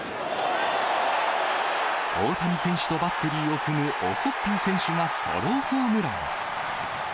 大谷選手をバッテリーを組むオホッピー選手がソロホームラン。